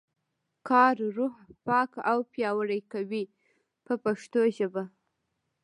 کار روح پاک او پیاوړی کوي په پښتو ژبه.